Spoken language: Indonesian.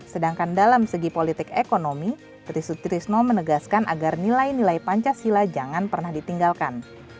sedangkan dalam segi politik ekonomi trisutrisno menegaskan agar nilai nilai pancasila jangan pernah ditinggalkan